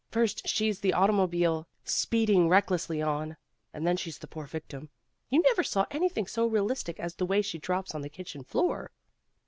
First she's the automobile speeding recklessly on, and then she's the poor victim. You never saw anything so realistic as the way she drops on the kitchen floor."